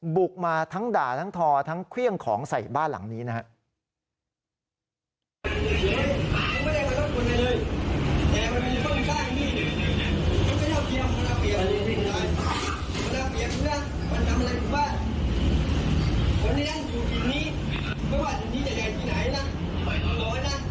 บุกมาทั้งด่าทั้งทอทั้งเครื่องของใส่บ้านหลังนี้นะครับ